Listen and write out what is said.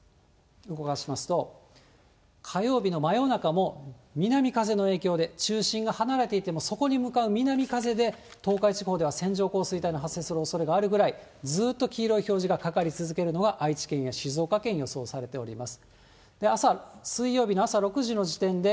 動かしますと、火曜日の真夜中も南風の影響で、中心が離れていても、そこに向かう南風で、東海地方では線状降水帯の発生するおそれがあるぐらい、ずーっと黄色い表示がかかり続けるのが、愛知県や静岡県に予想されています。